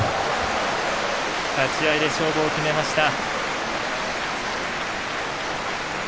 立ち合いで勝負を決めました。